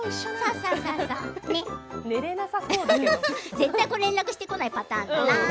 絶対これ連絡してこないパターンだなー。